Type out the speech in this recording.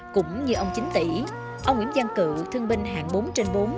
cũng như ông chính tỷ ông nguyễn giang cự thương binh hạng bốn trên bốn